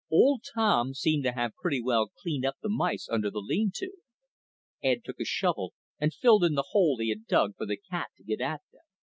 Old Tom seemed to have pretty well cleaned up the mice under the lean to. Ed took his shovel and filled in the hole he had dug for the cat to get at them.